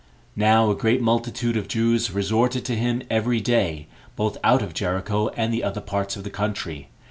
Now a great multitude of Jews resorted to him every day, both out of Jericho and the other parts of the country.